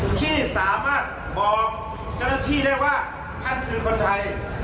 ที่สามารถบอกเจ้าหน้าที่ได้ว่าท่านคือคนไทย